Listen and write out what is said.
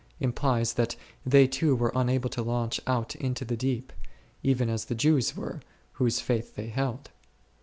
implies that they too were unable to launch out into the deep, even as the Jews were, whose faith they held.